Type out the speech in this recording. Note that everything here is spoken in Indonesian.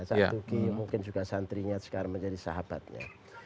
saat duki mungkin juga santrinya sekarang menjadi sahabatnya